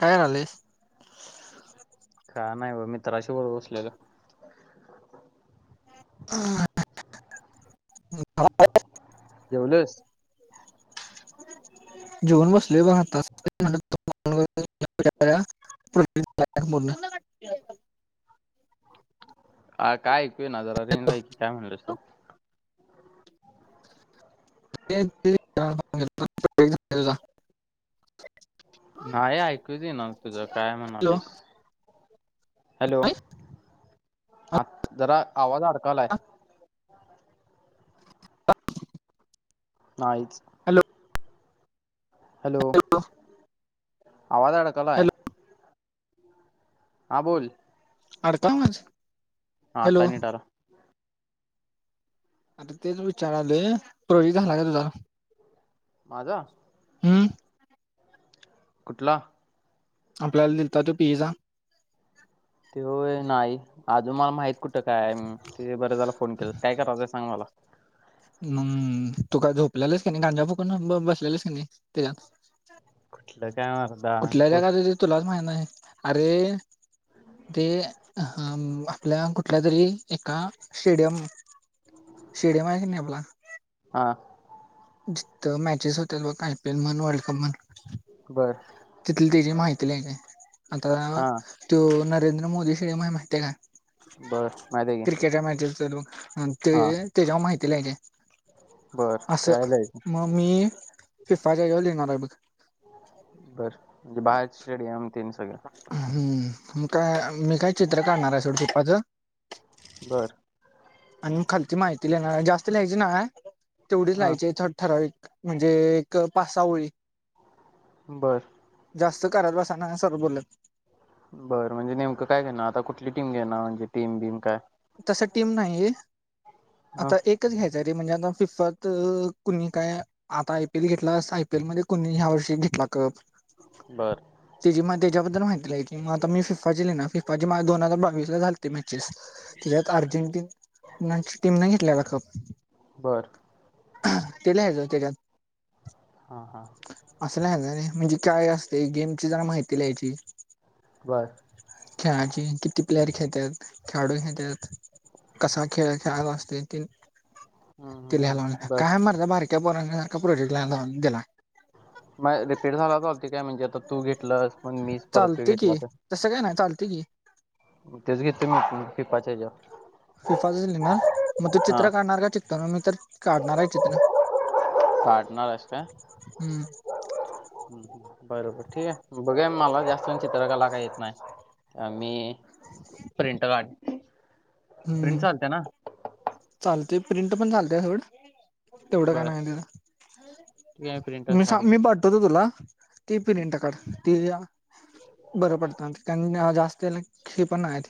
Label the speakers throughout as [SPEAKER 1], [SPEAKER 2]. [SPEAKER 1] काय झाले.
[SPEAKER 2] का नाही हो मित्राशी वर बसलेलो.
[SPEAKER 1] [unintelligible]
[SPEAKER 2] जेवलीस
[SPEAKER 1] जेवन बसले पाह [unintelligible]
[SPEAKER 2] अ काय ऐकू येना जरा रेंजला ए की काय म्हणलंस तु.
[SPEAKER 1] [unintelligible]
[SPEAKER 2] नाही ऐकूच येईना तुझा. काय
[SPEAKER 1] हॅलो
[SPEAKER 2] म्हणालीस. हॅलो
[SPEAKER 1] नाही?
[SPEAKER 2] आ जरा आवाज अडकालाय. नाहीईच
[SPEAKER 1] हॅलो
[SPEAKER 2] हॅलो आवाज अडकलाय आहे.
[SPEAKER 1] हॅलो
[SPEAKER 2] हा बोल
[SPEAKER 1] अडत [unintelligible]
[SPEAKER 2] ह तनी टार [unintelligible]
[SPEAKER 1] आता तेच विचारा आलोये प्रोजेक्ट झाला का तुझा.
[SPEAKER 2] माजा
[SPEAKER 1] हम्म.
[SPEAKER 2] कुठला?
[SPEAKER 1] आपल्याला दिलता तो पी ई चा.
[SPEAKER 2] ते होय नाही अजून मला माहित कुठ? कुठ काय,? ते बरं झाला फोन केलं काय कराच सांग मला.
[SPEAKER 1] हम्म तु का झोपलेलंस कनी गांजा फुकून बसलेलेस कनी त्याच्यात.
[SPEAKER 2] कुठलं? काय मर्दा
[SPEAKER 1] कुठल्या
[SPEAKER 2] होत
[SPEAKER 1] जगात ये ते तुलाच माहीत. नाही अरे ते हम्म आपल्या कुठल्या तरी एका स्टेडियम [inaudible] शेडियम आहे की नाही आपला. [inaudible]
[SPEAKER 2] हा
[SPEAKER 1] जिथं मॅचेस होत्यात बघ आयपीएल म्हण वर्ल्ड कप म्हण.
[SPEAKER 2] बर
[SPEAKER 1] तिथली तेची माहिती ती लई नाहीत. अता
[SPEAKER 2] हा
[SPEAKER 1] त्यो [unintelligible] नरेंद्र मोदी शेडीयम हाय माहिती आहे काय?
[SPEAKER 2] बर माहिती आहे की
[SPEAKER 1] क्रिकेटच्या माहितीच [unintelligible] ते
[SPEAKER 2] हा
[SPEAKER 1] त्याच्या माहिती तिला हे घे.
[SPEAKER 2] बर काय? जायचं
[SPEAKER 1] मग मी फिफाच्या हेजावर लिहणार आहे बग. [inaudible]
[SPEAKER 2] बर म्हणजे बाहेरच शेड घेऊन.
[SPEAKER 1] हम्म. मी काय, मी काय चित्र काढणार आहे सोड [unintelligible] पाच.
[SPEAKER 2] बर
[SPEAKER 1] आणि म खालती माहिती लिहणार हाय जास्त लिहायची नाही ह. तेवढीच
[SPEAKER 2] हा
[SPEAKER 1] लायची [unintelligible] ठराविक म्हणजे एक पासा ओळी.
[SPEAKER 2] बर.
[SPEAKER 1] जास्त करत बसाय नाही सर बोलल्यात.
[SPEAKER 2] बरं म्हणजे नेमकं काय घेण आता कुठली टीम घेणार म्हणजे टीम बिम काय?
[SPEAKER 1] तस टीम नाही
[SPEAKER 2] हा
[SPEAKER 1] आता एकच घ्यायचं. जरी म्हणजे आता फिफ्फत कुणी काय आता आयपीएल घेतलास आयपीएल मध्ये कुणी ह्या वर्षी घेतला कप.
[SPEAKER 2] बर.
[SPEAKER 1] त्याची मला त्याच्याबद्दल माहिती लिहायची मग आता मी सिफा ची लिहणार. फिफाजी मा दोन हजार बावीस ला झालीती मॅचेस. तेच्यात अर्जेंटीन टीनाच्या टीमने घेतलेला कप.
[SPEAKER 2] बरं.
[SPEAKER 1] ते लिहायचं त्याच्यात.
[SPEAKER 2] हा हां.
[SPEAKER 1] अस नाही गं म्हणजे काय असते गेम ची जण माहिती लहायची.
[SPEAKER 2] बर
[SPEAKER 1] चार्जिंग किती. प्लेयर खेेळत्यात खेळाडूनी तर. कसा खेळ. े आगस्ट एकटीन
[SPEAKER 2] हम्म हम्म
[SPEAKER 1] तिलालाव
[SPEAKER 2] हम्म बर
[SPEAKER 1] काय मारदा बारक्या पोरां सारखं कप हरड ला दिला
[SPEAKER 2] म रिपीट झालालती काय म्हणजे आता तू घेतलंस मण मीच परत त
[SPEAKER 1] चालते
[SPEAKER 2] घेतला
[SPEAKER 1] की तसं
[SPEAKER 2] तर
[SPEAKER 1] काय नाही चालते की
[SPEAKER 2] तेच घेतते मी पाचजार
[SPEAKER 1] फिफाजच लिणार मग ते चित्र काढणार का चित्तवणार मी तर काढणार आहय चित्र
[SPEAKER 2] काढणार आहयस काय
[SPEAKER 1] हम्म
[SPEAKER 2] हम हम. बरोबर ठीक आहे बघुया मला जास्त चित्रकला काय येत नाही मी प्रिंट काढ प्रिंट चालत्या ना.
[SPEAKER 1] चालतय प्रिंट पण चालत्या सोड. तेवढं काय
[SPEAKER 2] बर
[SPEAKER 1] नाही
[SPEAKER 2] ठीक आहे प्रिंटच
[SPEAKER 1] मी सांग
[SPEAKER 2] काढीन
[SPEAKER 1] पाठतोत तुला ती प्रिंट काढ त बरं पडत रास्ते खेळ प ना आहेेत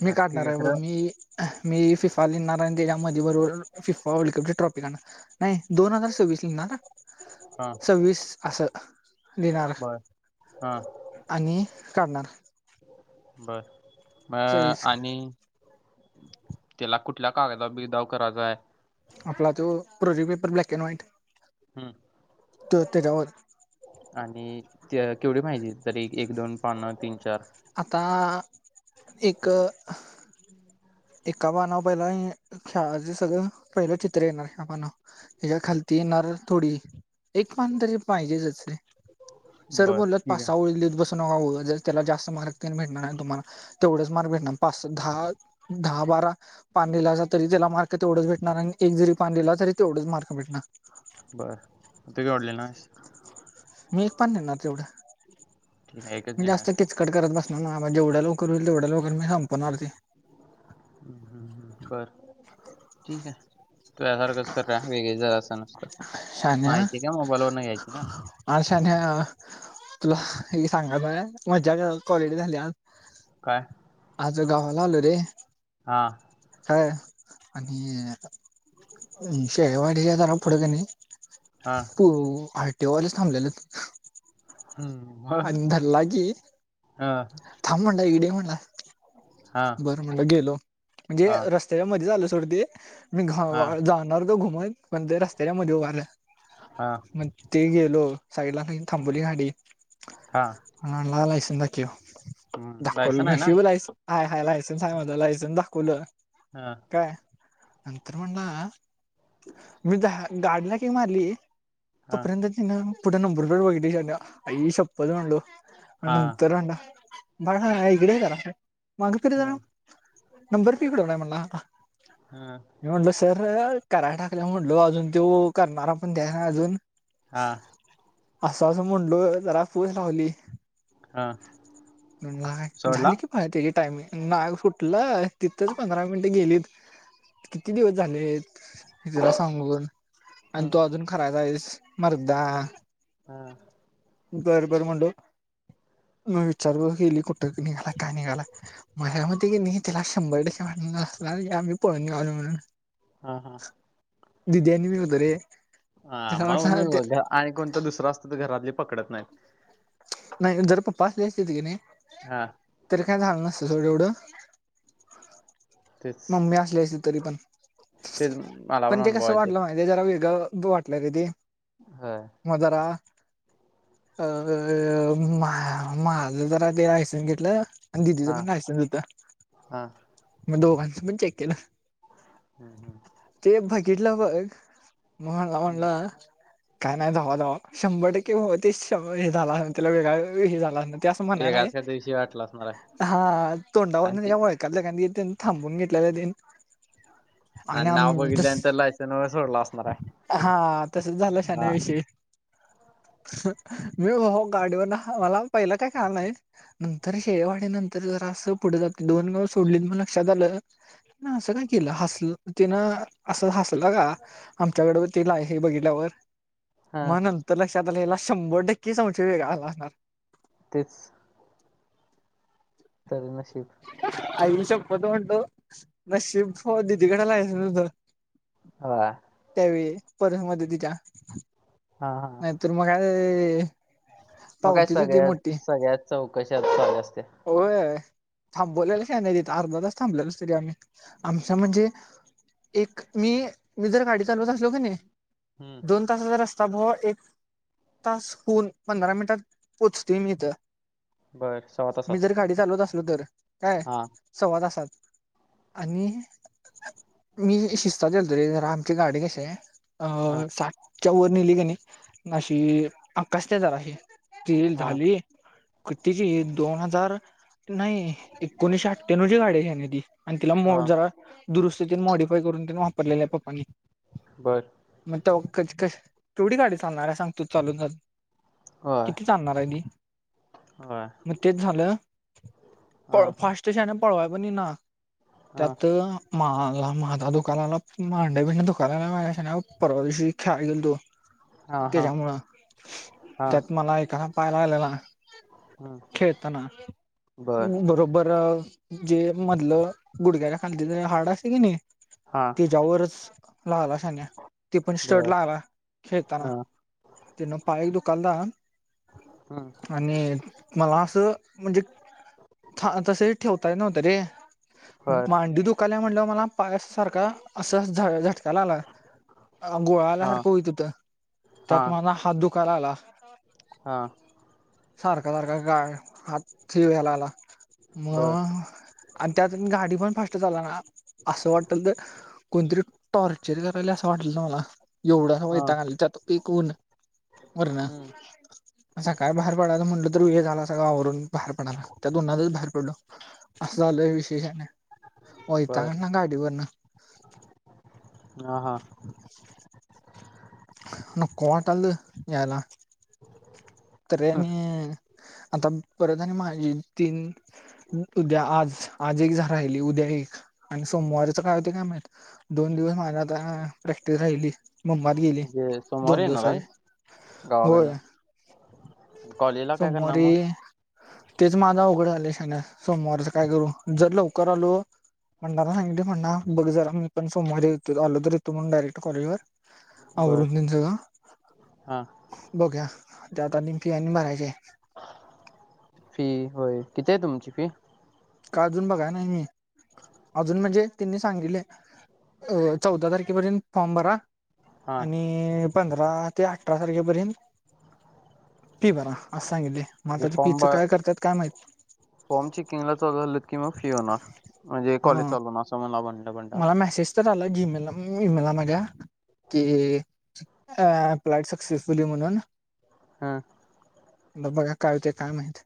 [SPEAKER 1] [inaudible] मी
[SPEAKER 2] बर ठीक
[SPEAKER 1] काढणार
[SPEAKER 2] आहे
[SPEAKER 1] आहय बग
[SPEAKER 2] खरं
[SPEAKER 1] मी मी फिक लहिणार आणि त्याच्या बरोबर फिफा वर्ल्ड कप ची ट्रॉफी काढणार नाही दोन हजार सव्वीस लिहिणार.
[SPEAKER 2] हा
[SPEAKER 1] सव्वीस अस लिहणार
[SPEAKER 2] बर हा
[SPEAKER 1] आणि काढणार
[SPEAKER 2] बर. अ
[SPEAKER 1] सव्वीस
[SPEAKER 2] आणि. त्याला कुठल्या कागदावर बिगदाव करायचाय
[SPEAKER 1] आपला तो project paper black and white
[SPEAKER 2] हम्म
[SPEAKER 1] त तेज्यावर.
[SPEAKER 2] आणि ते केवढी माहिती तरी एक दोन पान तीन चार
[SPEAKER 1] आता एक एका पानावर पहिला खेळाचे सगळं पहिलं चित्र येणार ह्या पानावर त्याच्या खालती येणार थोडी एक पान तरी पाहिजेच रे. सर
[SPEAKER 2] बरं,
[SPEAKER 1] बोलल्यात
[SPEAKER 2] ठीक
[SPEAKER 1] पास
[SPEAKER 2] आहे.
[SPEAKER 1] सहा ओळी लिहीत बस पण उद्या त्याला जास्त मार्क तेन भेटणार तुमला तेवढच मार्क भेटणार. पाचशे दहा दहा बारा पान लिहला असेल तरी त्याला मार्क ते तेवढंच भेटणार आणि एक जरी पान लिहला तरी तेवढच मार्क भेटणार.
[SPEAKER 2] बरं आता केवड लिहनारस
[SPEAKER 1] मी एक पण लिहणार तेवढं
[SPEAKER 2] ठीक आहे, एकच
[SPEAKER 1] म्हणजे जास्त
[SPEAKER 2] लिहिणारस काय?
[SPEAKER 1] किचकट करत बसत नाहय नाहय बा जेवढ्या लवकर होईल तेवढ्या लकर मी संपवणार ते
[SPEAKER 2] हम्म हम्म हम् बर ठीक आहे तुसारखंच करूया वेगळी जरास नुसतं
[SPEAKER 1] शान्या
[SPEAKER 2] माहिती काय मोबाईल वरन घ्यायची ना
[SPEAKER 1] आज शान्या तुला हे सांगा मजा क्वालडे झाली आज
[SPEAKER 2] काय
[SPEAKER 1] आज गावाला आलो रे
[SPEAKER 2] हा
[SPEAKER 1] हय आणि शेवाढ जरा पुढे कणी
[SPEAKER 2] हां,
[SPEAKER 1] त तेव्हालेच थांबलेलं
[SPEAKER 2] हं, मग?
[SPEAKER 1] अंदर लागी
[SPEAKER 2] हं,
[SPEAKER 1] थांबमंडी इडे होड
[SPEAKER 2] हां,
[SPEAKER 1] बर म्हणलं गेलो म्हणजे
[SPEAKER 2] हां,
[SPEAKER 1] रस्त्याच्या मध्ये झाल सोडते मी घा
[SPEAKER 2] हां,
[SPEAKER 1] जाणार ो घुमो पण ते रस्तच्या मध्ये ऊभा रहा
[SPEAKER 2] हां,
[SPEAKER 1] मग लो साईडला हेइन थांबवली हेली
[SPEAKER 2] हां,
[SPEAKER 1] ह.. लाला तिन क्यू
[SPEAKER 2] हं.
[SPEAKER 1] दाखवलं
[SPEAKER 2] लायसन आहे ना?
[SPEAKER 1] नशी वलायच लायसन झालं मझलायसन दाखवलं
[SPEAKER 2] हा
[SPEAKER 1] काय नंतर म्हणला मी द गाडीला कि मारली
[SPEAKER 2] हं,
[SPEAKER 1] तोपर्यंत तिनं पुठ नंबर बुरबेड, आई शपथ म्हणलो. आणि
[SPEAKER 2] हां,
[SPEAKER 1] तरड बर हा गडे क मागे कुठं जाणार
[SPEAKER 2] हं,
[SPEAKER 1] नंबर पिकडव नाही म्हणला आता
[SPEAKER 2] हं,
[SPEAKER 1] मलं सर कराय टाकल्या म्हणटलो अजून तो करणारा पण द ना अजून
[SPEAKER 2] हा
[SPEAKER 1] असं असं म्हणलोय घरात फोन लावली
[SPEAKER 2] हं. सोडला?
[SPEAKER 1] झाली की पाय ते टायमिंग नाग फुटलं तिथंच पंधरा मिनटं गेलीत किती दिवस झाले म तिला सांगून आणि तू अजून खरायचा आहेस मर्दा
[SPEAKER 2] हम् हा
[SPEAKER 1] बर बर म्हणलं, म विचार गेली कुठ निघाला का निघाला, मझ्या मते की नी त्याला शंभर टक्के वाट आम्ही पळून निघालो ह
[SPEAKER 2] हा हा
[SPEAKER 1] मी होतो रे
[SPEAKER 2] ह
[SPEAKER 1] त्याला
[SPEAKER 2] मग
[SPEAKER 1] वाटलं
[SPEAKER 2] म्हणून आणि कोणत दुसरं असत तर घरातली पकडत नाही.
[SPEAKER 1] नाही जर पप्प असले अस्तीत किणी,
[SPEAKER 2] हा
[SPEAKER 1] तरी काय झाल नस तस एवढं.
[SPEAKER 2] तेच
[SPEAKER 1] मम्मी असली असती तरी पण.
[SPEAKER 2] तेच मला
[SPEAKER 1] पण ते
[SPEAKER 2] अनुभव
[SPEAKER 1] कसं
[SPEAKER 2] आहे
[SPEAKER 1] वाटलं माहितीे जरा वेळ ग तू वाटलंय रे ते.
[SPEAKER 2] होय
[SPEAKER 1] म जरा. अ अ अ अ अ अ मा माझ जरा ते आयसन्स घेतलं. आणि दिदीचं
[SPEAKER 2] हा
[SPEAKER 1] पण लायसन होतं.
[SPEAKER 2] हा
[SPEAKER 1] मग दोघांचं पण चेक केलं.
[SPEAKER 2] हम्म हम्म.
[SPEAKER 1] घेतलं भाग. म मला
[SPEAKER 2] हम्म.
[SPEAKER 1] मनला. काय नाही धवा धवा शंभर टक्के भावा, ते श हे झाला तला वेगळा हे झाला. ते असं म्हणाय नाही
[SPEAKER 2] वेगळाच काहीतरी विषय वाटला असणार आहे
[SPEAKER 1] हा
[SPEAKER 2] आणि
[SPEAKER 1] तोंडावरन
[SPEAKER 2] ते
[SPEAKER 1] तेचा वळकालत कानी त्यांन थांबून घेतलेला तेन. आणि
[SPEAKER 2] नाव
[SPEAKER 1] आमस
[SPEAKER 2] बघितल्यानंतर लायसन वर सोडला असणार आहे
[SPEAKER 1] हा तस झालं
[SPEAKER 2] हा
[SPEAKER 1] शाण्याविषयी. हम्म मी भाव्हा गाडीवर हा मला पहिला काय कळालं नाहीय, नंतर शेवाडी नंतर जरा असं पुढे जात दोन गाव सोडलीत मला. लक्षात आलं असं काय केलं हसल तेन असं हसल का, आमच्याकड तेला आहे हे बघितल्यावर.
[SPEAKER 2] हा
[SPEAKER 1] मग नंतर लक्षा तला शंभर टक्के संशय वेगाला आला असणार.
[SPEAKER 2] तेच. तरी नशीब.
[SPEAKER 1] आई शप म तो म्हणतो नशीब दिदीकडे नाहीसं म्हणतो.
[SPEAKER 2] होय.
[SPEAKER 1] होय. परत मदतीच्या.
[SPEAKER 2] हा हा
[SPEAKER 1] नाही तर मग काय. ते.
[SPEAKER 2] मग काय सगळ्यात सगळ्यात चौक कशा [unintelligible]
[SPEAKER 1] होय. थांबवलेलं शहाण्या तिथं अर्धा तास, थांबलेलच तरी आम्ही आमच्या म्हणजे, एक मी मी जर गाडी चालवत असलो कनी
[SPEAKER 2] हम्म
[SPEAKER 1] दोन तासाचा र ता एक तास होऊन पंधरा मिनिटात पोहोचतोय मी इथ.
[SPEAKER 2] बरं सवा तासात.
[SPEAKER 1] लोतरं काय
[SPEAKER 2] हा
[SPEAKER 1] सव्वा तासात. आणि मी शिसतात यालतोरे जरा. आमची गाडी कशीय - - अ
[SPEAKER 2] हा
[SPEAKER 1] सा - - [unintelligible] नेली कणी अशी आकासया जराशी [unintelligible]
[SPEAKER 2] हा
[SPEAKER 1] झाली कितीची ईल. जर नाही एकोणीशे अठ्ठ्याण्वची गाडी हाय शाण्याती - - आणि तीला मो
[SPEAKER 2] हा
[SPEAKER 1] जरा - - दुरुस्ती मॉडिफाय करून- - वापरलेलीय पप्पांनी
[SPEAKER 2] बर
[SPEAKER 1] - - [unintelligible] तेवढी गाडी चालणार हाय सांग तू चालून चालून?
[SPEAKER 2] होय
[SPEAKER 1] किती चालणार हाय ती?
[SPEAKER 2] होय.
[SPEAKER 1] मग तेच झालं - -
[SPEAKER 2] हा
[SPEAKER 1] [unintelligible] फास्ट शाण्या पळवाय पणं इना.
[SPEAKER 2] हा
[SPEAKER 1] त्यात माळात - - मादा दुखाय लागलां. माड्यांबिंड्या दुखाय लागल्या माझ्या शाण्या परवा दिवशी खेळायं गेलतो.
[SPEAKER 2] हा हा
[SPEAKER 1] त्याच्यामुळं
[SPEAKER 2] हा
[SPEAKER 1] त्यात मला एका पाय लागलेला.
[SPEAKER 2] हम्म
[SPEAKER 1] खेळताना
[SPEAKER 2] बर
[SPEAKER 1] बरोबर- - जे मधलं गुडग्याला खाल्ली हाड असतयं कनी -
[SPEAKER 2] हा
[SPEAKER 1] - तेज्यावरचं - - [unintelligible] [unintelligible]
[SPEAKER 2] बर हा
[SPEAKER 1] [unintelligible]
[SPEAKER 2] हम्म
[SPEAKER 1] आणि मला असं म्हणजे [unintelligible] तसही ठेवते [unintelligible]
[SPEAKER 2] बर
[SPEAKER 1] मांडी दुखाला म्हणलं मला पायासारखा असं [unintelligible] त्याला ना गोळा
[SPEAKER 2] हा
[SPEAKER 1] [unintelligible]
[SPEAKER 2] हा
[SPEAKER 1] त्यात माझा हात [unintelligible] ततो काल अला
[SPEAKER 2] हा
[SPEAKER 1] सारख ारख काय हात वलाला म
[SPEAKER 2] बर
[SPEAKER 1] आणि त्यात गाडी पण फास्ट चाल ना असं वाटलत कोणतरी टॉर्चर करायला असं वाटालत मला एवढा असं
[SPEAKER 2] हा
[SPEAKER 1] वैताग आलंता त्यात एक ऊण वरण
[SPEAKER 2] हम्म
[SPEAKER 1] सकाळी बाहेर पडायला म्हणल हे झाला सगळ अवरून बाहेर पडाला त्यात उनाच बाहेर पडलो अस झाल विशेषान वैताग
[SPEAKER 2] बर
[SPEAKER 1] आणला गाडी वरन
[SPEAKER 2] हा हा
[SPEAKER 1] नको वाटलत याला तरि अनी आता परत आणि माझी तीन उद्या आज आज एक झा राहिली उद्या एक आणि सोमवारच काय होतंय काय मईत दोन दिवस माझ आता प्रॅक्टिकल राहिलय मुमात गेली
[SPEAKER 2] म्हणजे सोमवारी
[SPEAKER 1] दोन
[SPEAKER 2] येणार
[SPEAKER 1] दिवसाची
[SPEAKER 2] आहे
[SPEAKER 1] होय
[SPEAKER 2] गावाकडनं कॉलेजला काय करणार
[SPEAKER 1] सोमवारी
[SPEAKER 2] मग
[SPEAKER 1] तेच माझं उघड झालंय शाण्या सोमवारच काय करू जर लवकर आलो बंडाला सांगितलोय म्हणा बघ जरा मी पण सोमवार येतो आलो तर येतो म्हणून डायरेक्ट कॉलेज वर
[SPEAKER 2] बर
[SPEAKER 1] अवरून तेन सगळ
[SPEAKER 2] हा
[SPEAKER 1] बघूया त्यात आणि फी आणि भरायचीय
[SPEAKER 2] फी होय कितीय तुमची फी
[SPEAKER 1] का अजून बघाय नाई मी अजून म्हणजे त्यानी सांगितले अ चौदा तारखेपर्यंत फॉम भरा
[SPEAKER 2] हा
[SPEAKER 1] आणि पंधरा ते अठरा तारखेपर्यंत फी बरा अस सांगितलय
[SPEAKER 2] म्हणजे
[SPEAKER 1] आता फी
[SPEAKER 2] फॉर्म ब
[SPEAKER 1] च काय करताात काय माहित
[SPEAKER 2] फॉर्म चेकिंगला चालू झालं की मग फी होणार म्हणजे कॉलेज चालू होणार समजलं लाव बंडा
[SPEAKER 1] अत्ताच आलं जी मेल ई मेला माज्या की फ्लाईट सक्सेसफुली म्हणून
[SPEAKER 2] हा
[SPEAKER 1] मग बघा काय होतंय काय माहित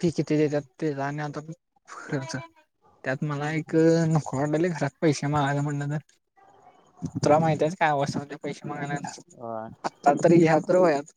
[SPEAKER 1] फी किती देत्यात तेज अनी आता खरच त्यात मला एक नको भांडल्यात घरात पैसे मागायचं म्हटल्यावर तुला माहीतीयच काय अवस्था झाल्या म आता तरी घ्या तर वयात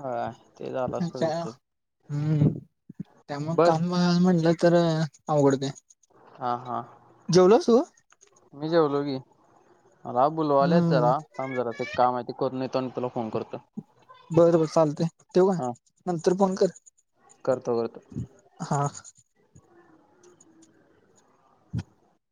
[SPEAKER 2] होय
[SPEAKER 1] त्या हम्म त्या मग
[SPEAKER 2] बर
[SPEAKER 1] काम मिळाल म्हटलं, तर अवघड हुतय,
[SPEAKER 2] हां हां
[SPEAKER 1] जेवलस तु,
[SPEAKER 2] मी जेवलो की मला बुलवायल्यात जरा थांब जरास एक काम हाय ते करून येतो. तुला फोन करतो.
[SPEAKER 1] बरं बर चालतय, ठेवु काय
[SPEAKER 2] हा
[SPEAKER 1] नंतर फोन कर
[SPEAKER 2] करतो करतो.
[SPEAKER 1] हा [unintelligible]